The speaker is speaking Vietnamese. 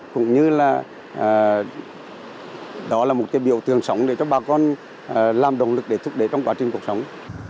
cũng như là đó là một cái biểu tượng sóng để cho bà con làm động lực để thúc đẩy trong quá trình cuộc sống